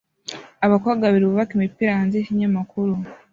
Abakobwa babiri bubaka imipira hanze yikinyamakuru